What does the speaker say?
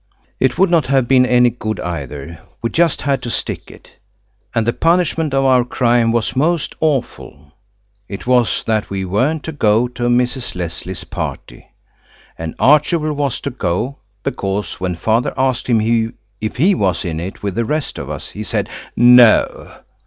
It would not have been any good either. We just had to stick it. And the punishment of our crime was most awful. It was that we weren't to go to Mrs. Leslie's party. And Archibald was to go, because when Father asked him if he was in it with the rest of us, he said "No."